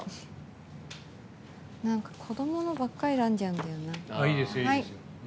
子どものばっかり選んじゃうんだよな。